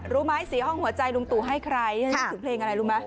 รู้ไหมสีห้องหัวใจลุงตู่ให้ใครฉันนึกถึงเพลงอะไรรู้ไหม